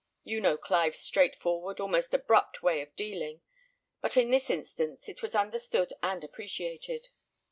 You know Clive's straightforward, almost abrupt, way of dealing; but in this instance, it was understood and appreciated.